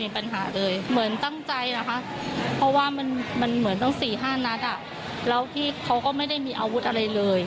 เพราะว่ามันเหมือนต้อง๔๕นัดแล้วพี่เขาก็ไม่ได้มีอาวุธอะไรเลย